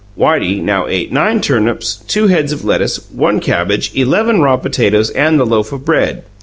Whitey now ate nine turnips, two heads of lettuce, one cabbage, eleven raw potatoes and the loaf of bread.